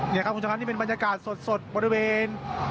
นี่ครับคุณผู้ชมครับนี่เป็นบรรยากาศสดบริเวณ